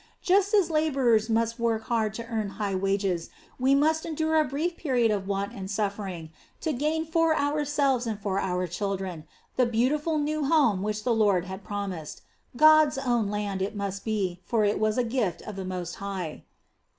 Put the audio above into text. Just as laborers must work hard to earn high wages, we must endure a brief period of want and suffering to gain for ourselves and for our children the beautiful new home which the Lord had promised. God's own land it must be, for it was a gift of the Most High.